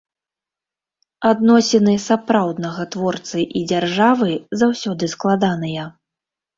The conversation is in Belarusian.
Адносіны сапраўднага творцы і дзяржавы заўсёды складаныя.